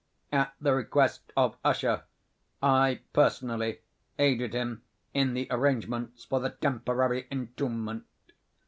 At the request of Usher, I personally aided him in the arrangements for the temporary entombment.